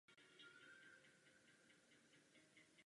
Máme Plán evropské hospodářské obnovy, který je třeba realizovat.